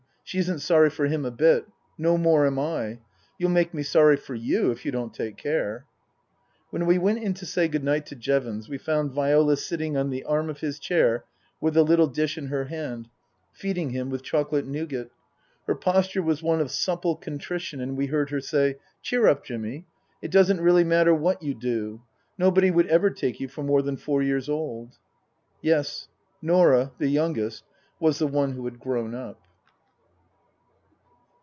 She isn't sorry for him a bit. No more am I. You'll make me sorry for you if you don't take care." When we went to say good night to Jevons we found Viola sitting on the arm of his chair with the little dish in her hand, feeding him with chocolate nougat. Her posture was one of supple contrition, and we heard her say :" Cheer up, Jimmy. It doesn't really matter what you do. Nobody would ever take you for more than four years old." Yes. Norah, the youngest, was the one who had grown up.